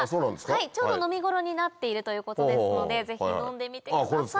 ちょうど飲み頃になっているということですのでぜひ飲んでみてください。